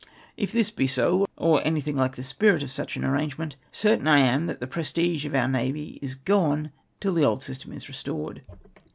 If this be so, or anytliing like the spirit of such an arrangement, certain I am that the prestige of our navy is gone till the old system is restored.